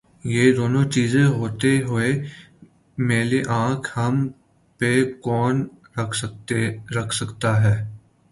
یہ دونوں چیزیں ہوتے ہوئے میلی آنکھ ہم پہ کون رکھ سکتاہے؟